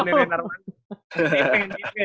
nih pengen di dredge